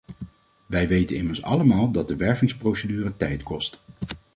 Wij weten immers allemaal dat de wervingsprocedure tijd kost.